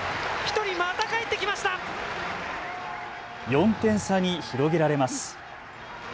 ４点差に広げられます。